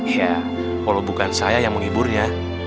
iya walau bukan saya yang menghiburnya